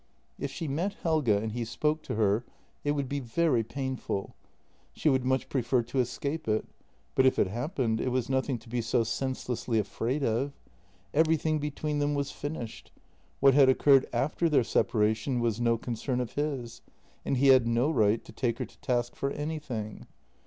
If she met Helge and he spoke to her it would be very painful; she would much prefer to escape it, but if it happened, it was nothing to be so senselessly afraid of. Everything be tween them was finished; what had occurred after their separa tion was no concern of his, and he had no right to take her to task for anything.